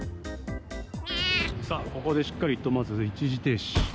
ここでしっかり一時停止。